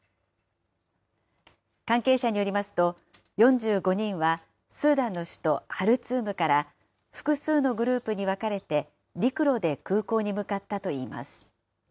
関係者によりますと、４５人はスーダンの首都ハルツームから、複数のグループに分かれて陸路で空港に向かったといいます。